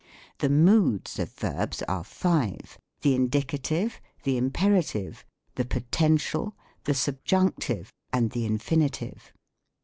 ■ The moods of verbs are five, the Indicative, the Im perative, the Potential, the Subjunctive, and lhe Infini tive.